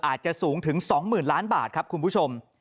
อาจจะสูงถึง๒๐๐๐ล้านบาทครับคุณผู้ชม